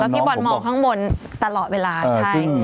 พี่บอลมองข้างบนตลอดเวลาใช่